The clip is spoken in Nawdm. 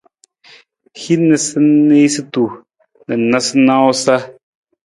Hin niisaniisatu na noosanoosa.